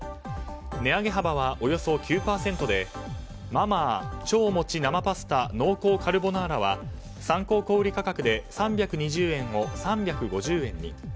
値上げ幅はおよそ９％で「マ・マー超もち生パスタ濃厚カルボナーラ」は参考小売価格で３２０円を３５０円に。